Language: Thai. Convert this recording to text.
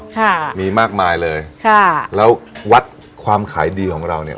ค่ะมีมากมายเลยค่ะแล้ววัดความขายดีของเราเนี่ย